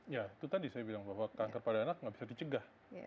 ya itu tadi saya bilang bahwa kanker pada anak nggak bisa dicegah